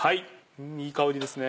んいい香りですね。